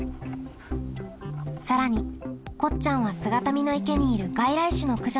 更にこっちゃんは姿見の池にいる外来種の駆除にも参加。